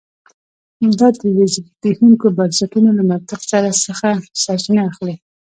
دا د زبېښونکو بنسټونو له منطق څخه سرچینه اخلي